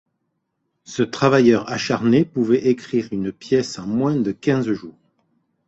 Ce travailleur acharné pouvait écrire une pièce en moins de quinze jours.